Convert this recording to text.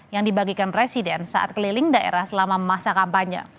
yang dibagikan presiden saat keliling daerah selama masa kampanye